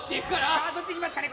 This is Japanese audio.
さあどっちいきますかね